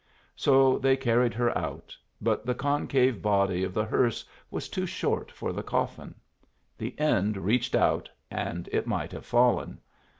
So they carried her out, but the concave body of the hearse was too short for the coffin; the end reached out, and it might have fallen.